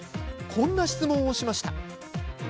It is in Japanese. こんな質問をしました。